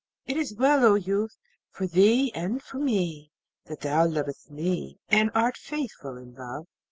it is well, O youth, for thee and for me that thou lovest me, and art faithful in love.'